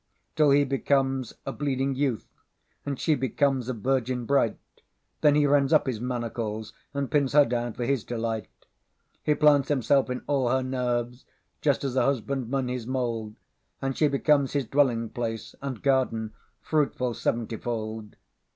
Till he becomes a bleeding Youth, And she becomes a Virgin bright; Then he rends up his manacles, And binds her down for his delight. He plants himself in all her nerves, Just as a husbandman his mould; And she becomes his dwelling placeAnd garden fruitful seventyfold.